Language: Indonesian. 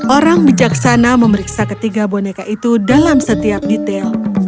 orang bijaksana memeriksa ketiga boneka itu dalam setiap detail